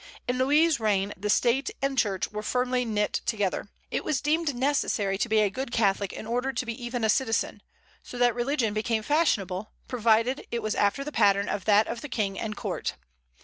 In Louis' reign the State and Church were firmly knit together. It was deemed necessary to be a good Catholic in order to be even a citizen, so that religion became fashionable, provided it was after the pattern of that of the King and court.